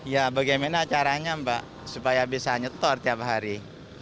ya bagaimana caranya mbak supaya bisa nyetor tiap hari